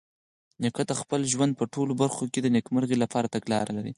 نیکه د خپل ژوند په ټولو برخو کې د نیکمرغۍ لپاره تګلاره لري.